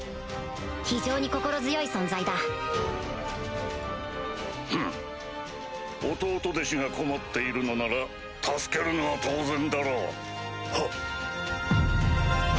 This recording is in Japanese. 非常に心強い存在だフンおとうと弟子が困っているのなら助けるのは当然だろうはっ！